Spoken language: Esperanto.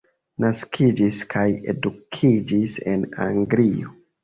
Naskiĝis kaj edukiĝis en Anglio.